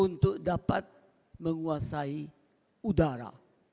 untuk dapat menguasai udara